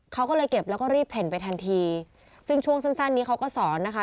เขาก็เลยเก็บแล้วก็รีบเพ่นไปทันทีซึ่งช่วงสั้นสั้นนี้เขาก็สอนนะคะ